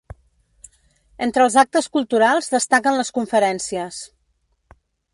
Entre els actes culturals destaquen les conferències.